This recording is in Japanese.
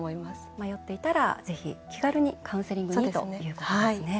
迷っていたらぜひ、気軽にカウンセリングにということですね。